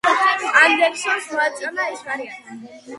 ანდერსონს მოეწონა ეს ვარიანტი.